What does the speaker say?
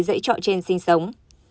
dãy trọ trên sinh sống